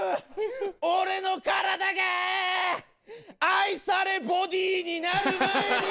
俺の体がぁ愛されボディーになる前に。